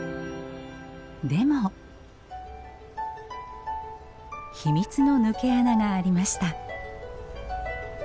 でも秘密の抜け穴がありました。